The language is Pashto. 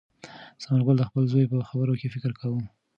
ثمر ګل د خپل زوی په خبرو کې فکر کاوه.